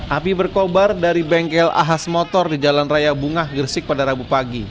api berkobar dari bengkel ahas motor di jalan raya bungah gresik pada rabu pagi